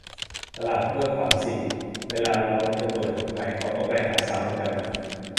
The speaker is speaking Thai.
ตลาดห้วยขวางสิ เวลาเล้าจะเปิดใหม่เขาก็ไปหาสาวกันแถวนั้น